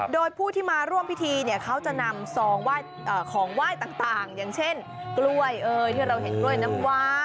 โดยผู้ที่มาร่วมพิธีเนี่ยเขาจะนำซองของไหว้ต่างอย่างเช่นกล้วยที่เราเห็นกล้วยน้ำว้า